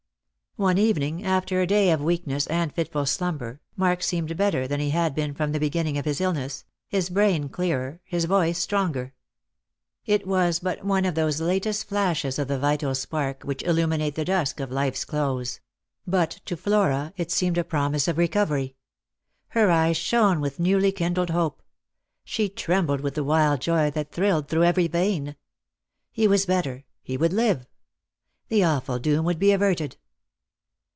One evening, after a day of weakness and fitful slumber, Mark seemed better than he had been from the beginning of his illness — his brain clearer, his voice stronger. It was but one of those latest flashes of the vital spark which illuminate the dusk 232 Lost for Love. of life's close; but to Flora it seemed a promise of recovery. Her eyes shone with newly kindled hope; she trembled with the wild joy that thrilled through every vein. He was better — he would live. The awful doom would be averted.